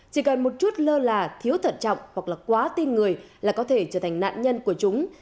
chỉ còn một chút lơ là thiếu thận trọng hoặc là quá tin người là có thể trở thành nạn nhân của chúng